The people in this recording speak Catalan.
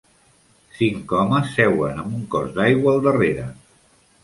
Cinc homes seuen amb un cos d'aigua al darrere.